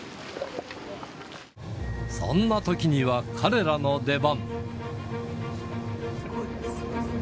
そんなときには、彼らの出番。